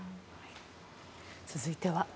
続いては。